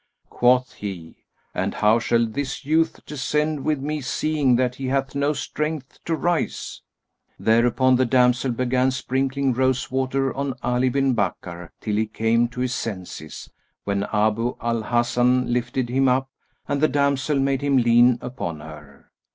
Quoth he, "And how shall this youth descend with me seeing that he hath no strength to rise?" Thereupon the damsel began sprinkling rose water on Ali bin Bakkar till he came to his senses, when Abu al Hasan lifted him up and the damsel made him lean upon her.